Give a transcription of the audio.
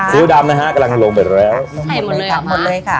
้วดำนะฮะกำลังลงไปแล้วหมดเลยค่ะหมดเลยค่ะ